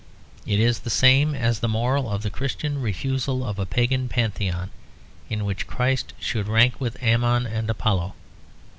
It is the same as the moral of the Christian refusal of a Pagan Pantheon in which Christ should rank with Ammon and Apollo.